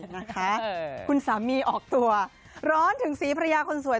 นะคะคุณสามีออกตัวร้อนถึงศรีภรรยาคนสวย